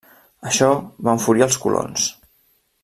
Això va enfurir els colons.